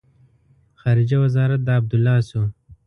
خارجه وزارت د عبدالله شو.